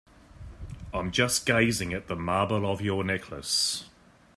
I'm just gazing at the marble of your necklace.